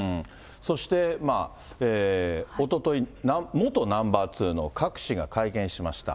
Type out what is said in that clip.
そして、おととい、元ナンバー２の郭氏が会見しました。